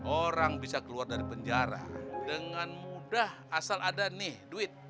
orang bisa keluar dari penjara dengan mudah asal ada nih duit